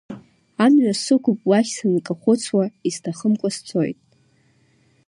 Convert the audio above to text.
Амҩа сықәуп уахь сынкахәыцуа, исҭахымкәа сцоит.